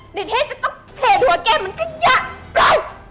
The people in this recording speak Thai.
พี่เทพจะต้องเฉดหัวเกมเหมือนกระยะ